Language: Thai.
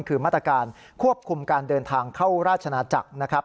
คือมาตรการควบคุมการเดินทางเข้าราชนาจักรนะครับ